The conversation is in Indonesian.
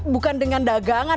bukan dengan dagangan